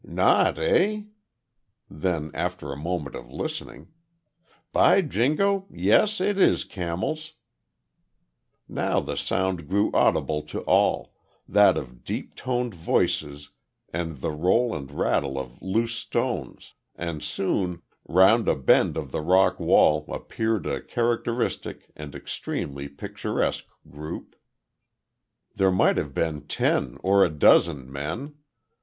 "Not, eh?" Then, after a moment of listening "By Jingo, yes it is camels." Now the sound grew audible to all, that of deep toned voices and the roll and rattle of loose stones, and soon, round a bend of the rock wall appeared a characteristic and extremely picturesque group. There might have been ten or a dozen men.